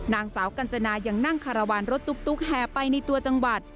นางสาวกัญจนายังนั่งคารวาลรถตุ๊กแห่ไปในตัวจังหวัด